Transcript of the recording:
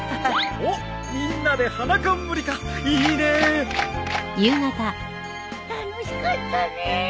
おっみんなで花冠かいいね。楽しかったね。